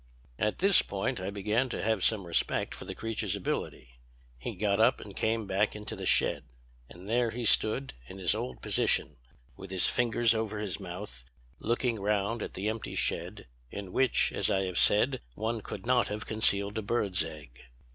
"At this point I began to have some respect for the creature's ability. He got up and came back into the shed. And there he stood, in his old position, with his fingers over his mouth, looking round at the empty shed, in which, as I have said, one could not have concealed a bird's egg.